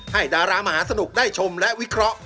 ดารามหาสนุกได้ชมและวิเคราะห